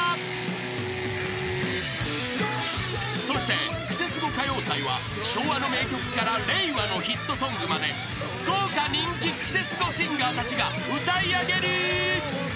［そしてクセスゴ歌謡祭は昭和の名曲から令和のヒットソングまで豪華人気クセスゴシンガーたちが歌い上げる］